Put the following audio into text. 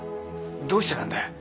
どうしてなんだ？